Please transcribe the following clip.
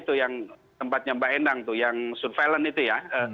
itu yang tempatnya mbak endang tuh yang surveillance itu ya